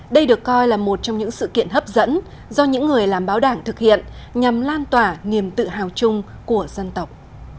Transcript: đây được coi là một trong những sự kiện hấp dẫn do những người làm báo đảng thực hiện nhằm lan tỏa niềm tự hào chung của dân tộc